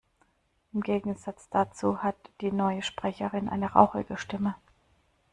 Im Gegensatz dazu hat die neue Sprecherin eine rauchige Stimme.